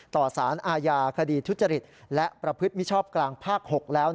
ต่อสารอาญาคดีทุจริตและประพฤติมิชชอบกลางภาค๖แล้ว